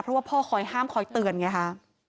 เพราะว่าพ่อคอยห้ามคอยเตือนไงค่ะ